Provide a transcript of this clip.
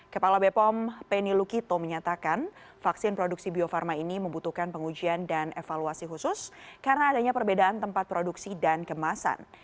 kepala bepom penny lukito menyatakan vaksin produksi bio farma ini membutuhkan pengujian dan evaluasi khusus karena adanya perbedaan tempat produksi dan kemasan